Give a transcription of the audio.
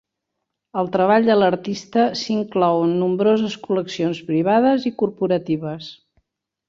El treball de l'artista s'inclou en nombroses col·leccions privades i corporatives.